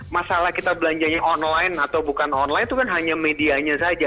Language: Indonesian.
masalah kita belanjanya online atau bukan online itu kan hanya medianya saja